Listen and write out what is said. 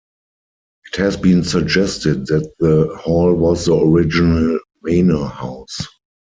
It has been suggested that the hall was the original manor house.